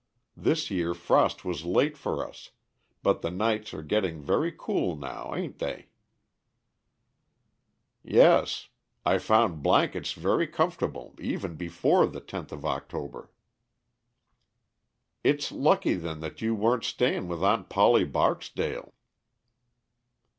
This year frost was late for us, but the nights are getting very cool now, a'n't they?" "Yes; I found blankets very comfortable even before the tenth of October." "It's lucky then that you wa'n't staying with Aunt Polly Barksdale."